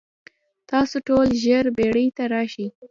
تاسو ټول ژر بیړۍ ته راشئ.